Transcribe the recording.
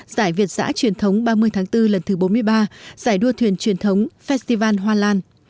giải việt giã truyền thống ba mươi tháng bốn lần thứ bốn mươi ba giải đua thuyền truyền thống festival hoa lan